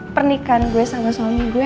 pernikahan gue sama suami gue